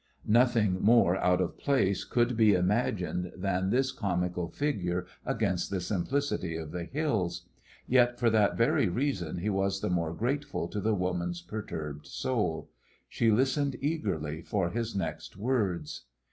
Nothing more out of place could be imagined than this comical figure against the simplicity of the hills. Yet for that very reason he was the more grateful to the woman's perturbed soul. She listened eagerly for his next words.